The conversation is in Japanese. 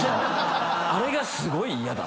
あれがすごい嫌だった。